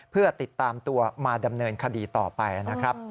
เพื่อติดตามตัวมาดำเนินคดีต่อไปนะครับ